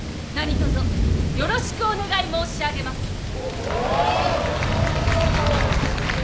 何とぞよろしくお願い申し上げます。